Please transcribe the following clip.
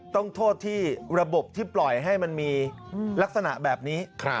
ต้องโทษที่ระบบที่ปล่อยให้มันมีลักษณะแบบนี้